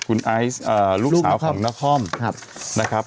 คุณไอซ์ลูกสาวของนครนะครับ